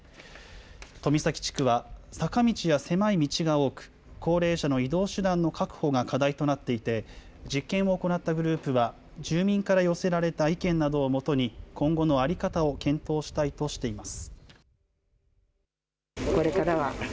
富崎地区は、坂道や狭い道が多く、高齢者の移動手段の確保が課題となっていて、実験を行ったグループは、住民から寄せられた意見などを基に、今後の在り方を検討したいとしています。